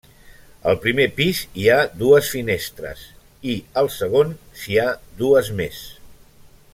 Al primer pis hi ha dues finestres i, al segon, s'hi ha dues més.